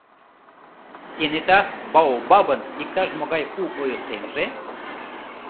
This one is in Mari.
Кенета баобабын иктаж-могай у ойыртемже?